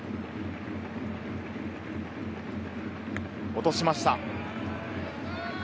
落としました。